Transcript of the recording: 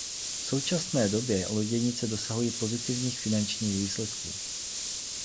V současné době loděnice dosahují pozitivních finančních výsledků.